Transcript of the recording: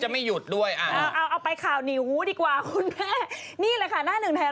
ไม่ได้นางไม่ได้